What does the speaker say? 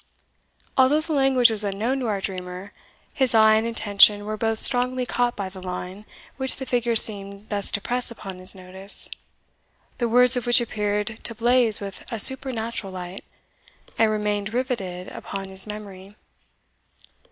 Although the language was unknown to our dreamer, his eye and attention were both strongly caught by the line which the figure seemed thus to press upon his notice, the words of which appeared to blaze with a supernatural light, and remained riveted upon his memory.